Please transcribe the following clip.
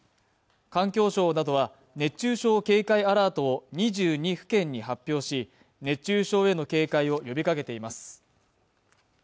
環境省などは熱中症警戒アラートを２２府県に発表し熱中症への警戒を呼びかけています